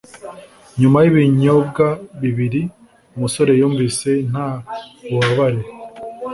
nyuma y'ibinyobwa bibiri, umusore yumvise nta bubabare